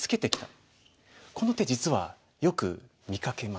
この手実はよく見かけます。